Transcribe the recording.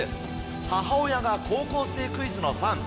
母親が『高校生クイズ』のファン。